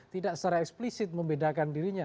tidak secara eksplisit membedakan dirinya